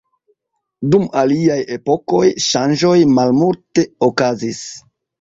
Dum aliaj epokoj, ŝanĝoj malmulte okazis.